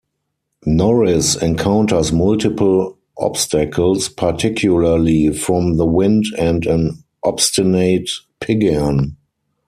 Norris encounters multiple obstacles, particularly from the wind and an obstinate pigeon.